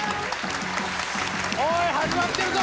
おーい始まってるぞ！